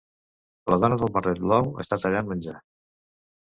La dona del barret blau està tallant menjar